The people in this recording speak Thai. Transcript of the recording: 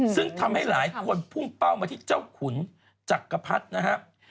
ซึ่งทำให้หลายคนพุ่งเป้ามาที่เจ้าขุนจักรพรรดินะครับ